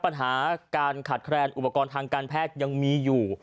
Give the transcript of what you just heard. ปัญหาการขาดแคลนอุปกรณ์ทางการแพทย์ยังมีอยู่